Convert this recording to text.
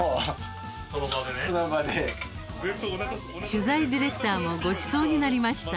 取材ディレクターもごちそうになりました。